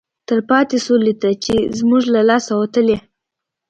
تلپاتې سولې ته چې زموږ له لاسه وتلی